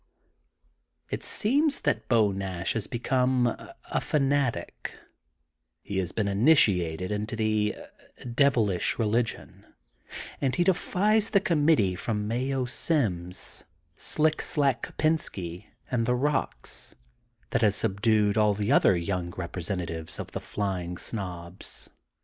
'' It seems that ^^Beau Nash" has become a fanatic, he has been initiated into the 160 THE golden' BOOK OF SPRINGFIELD devilish religion, and he defies the eonunit tee from Mayo Sims, Slick Slack Koi>ens ky, and the Bocks, that has subdued all the other young representatives of the flying snobs.